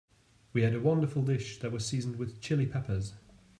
We had a wonderful dish that was seasoned with Chili Peppers.